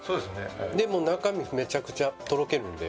はいでも中身めちゃくちゃとろけるんで・